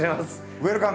ウエルカム！